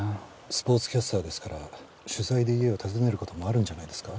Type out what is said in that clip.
スポーツキャスターですから取材で家を訪ねる事もあるんじゃないですか？